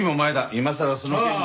今さらその件に。